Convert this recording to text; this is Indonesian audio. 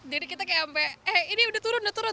jadi kita kayak sampai eh ini udah turun udah turun